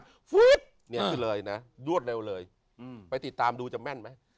กระสาทฟุ๊กนี่เลยนะด้วนแล้วเลยไปติดตามประมพิธีจะแม่นไหม